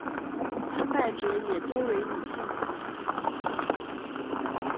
参拜者也多为女性。